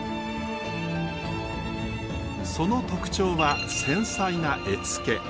その特徴は繊細な絵付け。